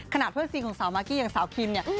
เพื่อนซีของสาวมากกี้อย่างสาวคิมเนี่ย